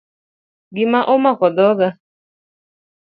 Gima omako dhoga